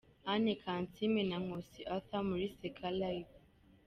Anne Kansiime na Nkusi Arthur muri Seka Live.